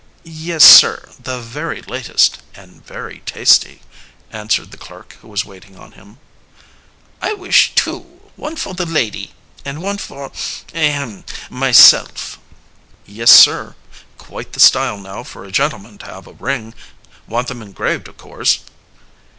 "Yes, sir, the very latest and very tasty," answered the clerk who was waiting on him. "I wish two, one for the lady and one for ahem myself." "Yes, sir quite the style now for a gentleman to have a ring. Want them engraved, of course."